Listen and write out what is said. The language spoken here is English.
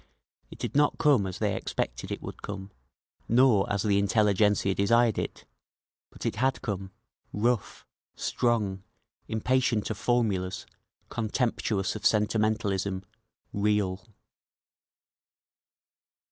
It had not come as they expected it would come, nor as the intelligentzia desired it; but it had come—rough, strong, impatient of formulas, contemptuous of sentimentalism; real….